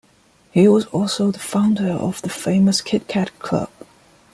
He was also the founder of the famous Kit-Cat Club.